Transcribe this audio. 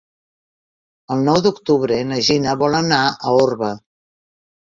El nou d'octubre na Gina vol anar a Orba.